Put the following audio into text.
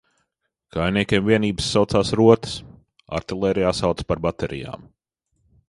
Kājniekiem vienības saucās rotas, artilērijā sauca par baterijām.